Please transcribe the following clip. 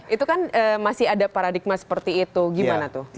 itu kan masih ada paradigma seperti itu gimana tuh